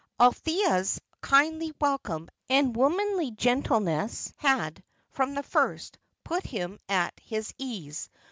Althea's kindly welcome and womanly gentleness had, from the first, put him at his ease.